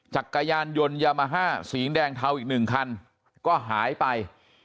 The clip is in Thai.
จักรยานยนต์ยามาฮ่าสีแดงเทาอีกหนึ่งคันก็หายไป